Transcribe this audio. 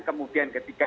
kemudian ketika itu